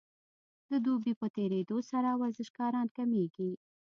د دوبي په تیریدو سره ورزشکاران کمیږي